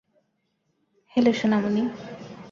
Hello, Sonamoni.